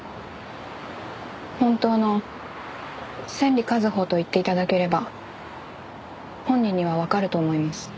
本当の千里一歩と言って頂ければ本人にはわかると思います。